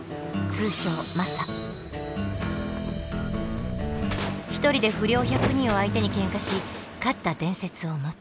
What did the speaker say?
通称１人で不良１００人を相手にケンカし勝った伝説を持つ。